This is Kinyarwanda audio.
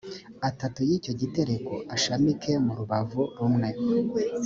atatu y icyo gitereko ashamike mu rubavu rumwe